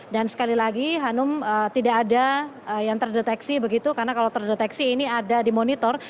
dan sekali lagi hanum tidak ada yang terdeteksi begitu karena kalau terdeteksi ini ada di monitor